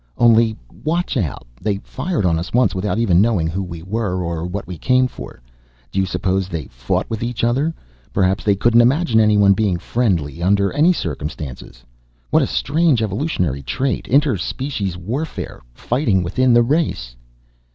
"Only watch out. They fired on us once without even knowing who we were or what we came for. Do you suppose that they fought with each other? Perhaps they couldn't imagine anyone being friendly, under any circumstances. What a strange evolutionary trait, inter species warfare. Fighting within the race!"